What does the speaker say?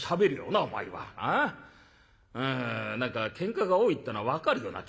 ん何かけんかが多いってのは分かるような気がするよ。